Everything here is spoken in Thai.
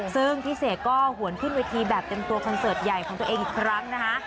ซึ่งพี่เสกก็หวนขึ้นเวทีแบบเต็มตัวคอนเสิร์ตใหญ่ของตัวเองอีกครั้งนะคะ